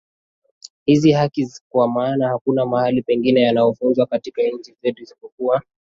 hizi haki kwa maana hakuna mahali pengine yanafunzwa katika nchi zetu isipokuwa